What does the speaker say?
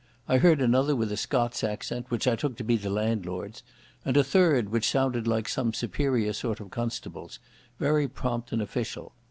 I heard another with a Scots accent, which I took to be the landlord's, and a third which sounded like some superior sort of constable's, very prompt and official.